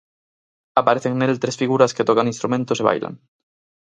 Aparecen nel tres figuras que tocan instrumentos e bailan.